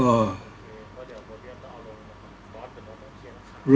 ก็ต้องทำอย่างที่บอกว่าช่องคุณวิชากำลังทำอยู่นั่นนะครับ